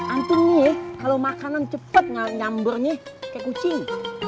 antun nih kalau makanan cepet nyamburnya kayak kucing